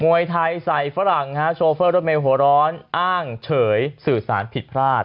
วยไทยใส่ฝรั่งฮะโชเฟอร์รถเมลหัวร้อนอ้างเฉยสื่อสารผิดพลาด